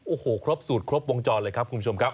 โอ้โหครบสูตรครบวงจรเลยครับคุณผู้ชมครับ